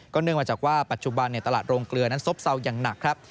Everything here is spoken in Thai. เนื่องมาจากว่าปัจจุบันตลาดโรงเกลือนั้นซบเศร้าอย่างหนักครับ